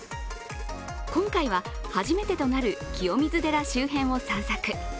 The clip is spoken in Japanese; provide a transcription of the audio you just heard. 今回は、初めてとなる清水寺周辺を散策。